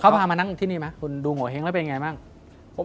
เขาพามานั่งที่นี่ไหมคุณดูโงเห้งแล้วเป็นไงบ้าง